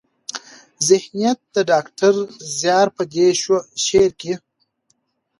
ذهنيت د ډاکټر زيار په دې شعر کې